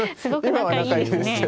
今は仲いいですけど。